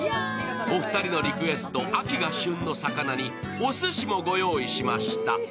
お二人のリクエスト・秋が旬の魚におすしもご用意しました。